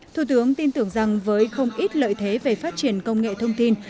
thủ tướng tin tưởng rằng với không ít lợi thế về phát triển công nghệ thông tin